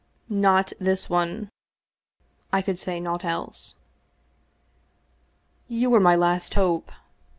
" Not this one." I could say naught else. " You were my last hope."